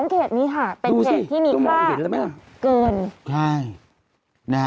๑๒เขตนี้ค่ะเป็นเขตที่มีค่าเกิน